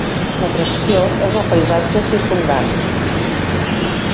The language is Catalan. L'atracció és el paisatge circumdant.